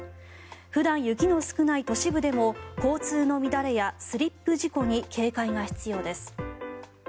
普段、雪の少ない都市部でも交通の乱れやスリップ事故に警戒が必要です。